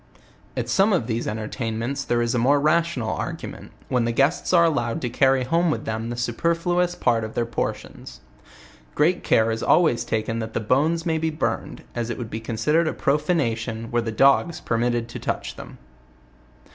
At some of these entertainments there is a more rational arrangement, when the guests arc allowed to carry home with them the superfluous part of their portions. Great care is always taken that the bones may be burned, as it would be considered a profanation were the dogs permitted to touch them.